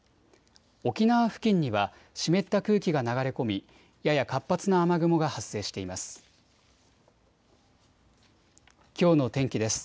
沖縄付近には湿った空気が流れ込み、やや活発な雨雲が発生しています。